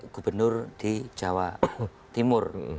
gubernur di jawa timur